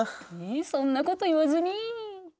そんなこと言わずに。